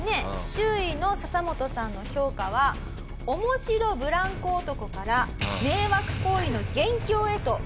周囲のササモトさんの評価は面白ブランコ男から迷惑行為の元凶へと一気に格下げ。